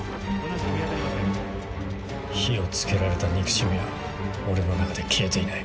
火を付けられた憎しみは俺の中で消えていない。